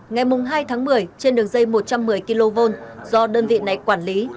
ngày hai tháng một mươi trên đường dây một trăm một mươi kv do đơn vị này quản lý